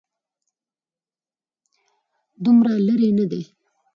دومره لرې نه دی.